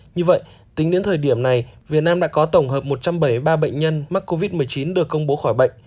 như vậy tính đến thời điểm này việt nam đã có tổng hợp một trăm bảy mươi ba bệnh nhân mắc covid một mươi chín được công bố khỏi bệnh